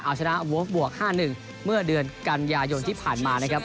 เอาชนะโวฟบวก๕๑เมื่อเดือนกันยายนที่ผ่านมานะครับ